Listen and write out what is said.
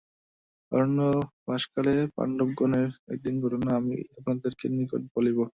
অরণ্যে বাসকালে পাণ্ডবগণের একদিনের ঘটনা আমি আপনাদের নিকট বলিব।